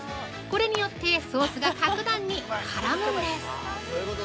これによってソースが格段に絡むんです。